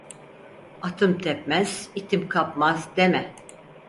Atım tepmez, itim kapmaz deme.